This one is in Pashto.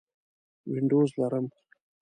وینډوز لرم